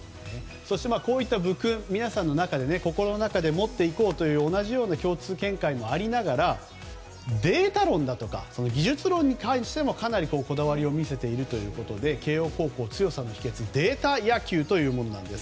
こうした部訓、皆さんの心の中で持っていこうという共通見解もありながらデータ論だとか技術論に対してもかなりのこだわりを見せているようで慶応高校の強さの秘訣はデータ野球というものなんです。